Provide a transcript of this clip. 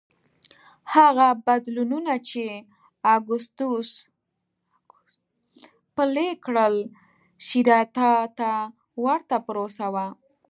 هغه بدلونونه چې اګوستوس پلي کړل سېراتا ته ورته پروسه وه